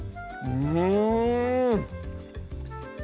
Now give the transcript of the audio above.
うん！